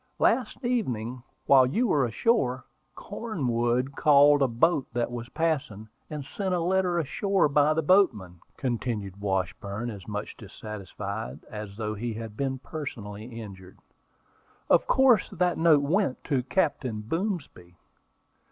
Last evening, while you were ashore, Cornwood called a boat that was passing, and sent a letter ashore by the boatman," continued Washburn, as much dissatisfied as though he had been personally injured. "Of course that note went to Captain Boomsby."